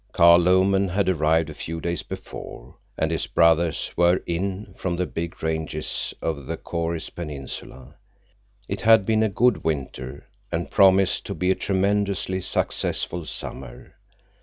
Carl Lomen had arrived a few days before, and his brothers were "in" from the big ranges over on the Choris Peninsula. It had been a good winter and promised to be a tremendously successful summer.